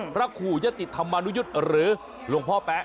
พระขู่ยติธรรมนุยุทธ์หรือหลวงพ่อแป๊ะ